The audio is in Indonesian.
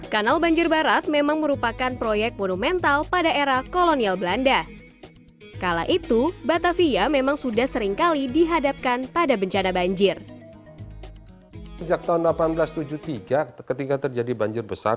sejak tahun seribu delapan ratus tujuh puluh tiga ketika terjadi banjir besar